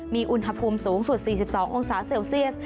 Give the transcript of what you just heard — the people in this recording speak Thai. มีอุณหภูมิสูงสุด๔๒องศาเซลเซียส